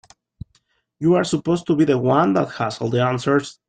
You're supposed to be the one that has all the answers.